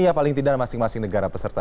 iya paling tidak masing masing negara peserta